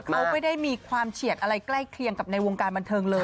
เขาไม่ได้มีความเฉียดอะไรใกล้เคียงกับในวงการบันเทิงเลย